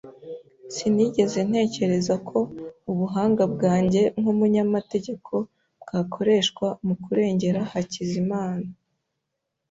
Sinigeze ntekereza ko ubuhanga bwanjye nk'umunyamategeko bwakoreshwa mu kurengera Hakizimana .